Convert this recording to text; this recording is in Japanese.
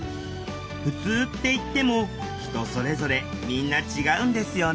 「ふつう」って言っても人それぞれみんな違うんですよね。